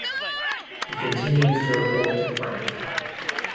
He continues to report to Plank.